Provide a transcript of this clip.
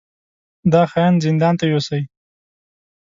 دا خاين زندان ته يوسئ!